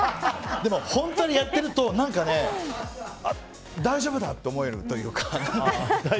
でも、それをやっていると大丈夫だって思えるというか。